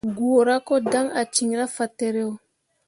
Guura ko dan ah cinra fatǝro.